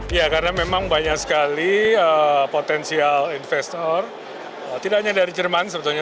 ya karena memang banyak sekali potensial investor tidak hanya dari jerman sebetulnya